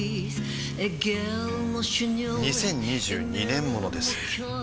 ２０２２年モノです